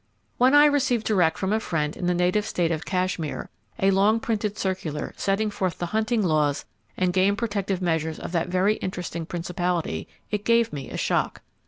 When I received direct from a friend in the native state of Kashmir a long printed circular setting forth the hunting laws and game protective measures of that very interesting principality, it gave me a shock.